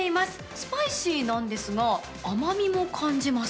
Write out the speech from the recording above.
スパイシーなんですが、甘みも感じます。